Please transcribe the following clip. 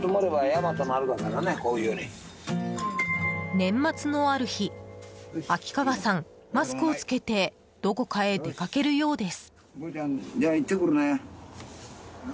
年末のある日秋川さん、マスクを着けてどこかへ出かけるようです。